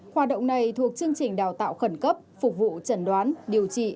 hoạt động này thuộc chương trình đào tạo khẩn cấp phục vụ chẩn đoán điều trị